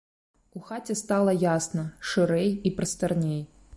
У хаце стала ясна, шырэй і прастарней.